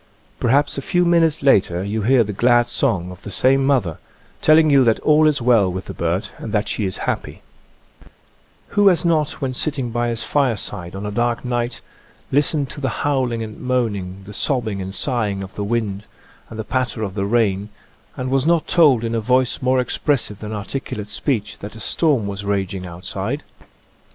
Perhaps a few minutes later you hear the glad song of the same mother, telling you that all is well with the bird and that she is happy. Who has not, when sitting by his fireside on a dark night, listened to the howling and moaning, the sobbing and sighing of the wind, and the patter of the rain, and was not told (~~|, Original from :{<~ UNIVERSITY OF WISCONSIN 106 "nature'0 fl&fraclea* in a voice more expressive than articulate speech that a storm was raging outside?